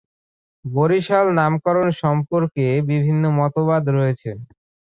বরিশাল নামকরণ সম্পর্কে বিভিন্ন মতভেদ রয়েছে।